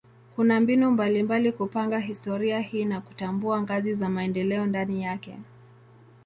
Kuna mbinu mbalimbali kupanga historia hii na kutambua ngazi za maendeleo ndani yake.